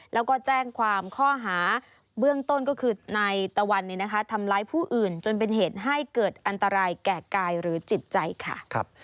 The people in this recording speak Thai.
แล้วก็แจ้งความข้อหาเบื้องต้นก็คือนายตะวันทำร้ายผู้อื่นจนเป็นเหตุให้เกิดอันตรายแก่กายหรือจิตใจค่ะ